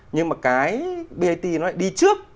nhưng mà cái bat nó lại đi trước